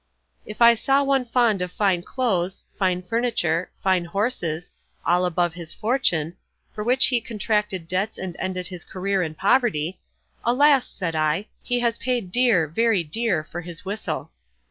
If I saw one fond of fine clothes, fine furniture, fine horses, all above his fortune, for which he contracted debts and ended his career in poverty, "Alas!" said I, "he has paid dear, very dear, for his whistle."